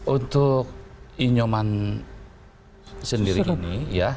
untuk inyoman sendiri ini